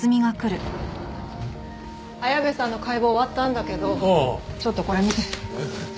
綾部さんの解剖終わったんだけどちょっとこれ見て。